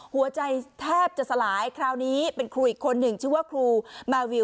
หัวใจแทบจะสลายคราวนี้เป็นครูอีกคนหนึ่งชื่อว่าครูมาวิว